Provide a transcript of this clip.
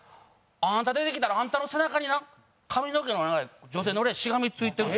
「あんた出てきたらあんたの背中にな髪の毛の長い女性の霊しがみついてる」。